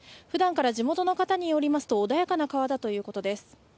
地元の方によりますと穏やかな川だということです。